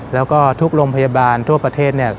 แล้วก็ทุกโรงพยาบาลทั่วประเทศเนี่ย